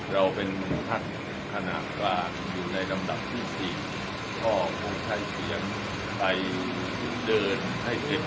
เราเป็นทัศน์ธนาคารอยู่ในลำดับที่สี่ก็คงใช้เสียงไปเดินให้เต็ม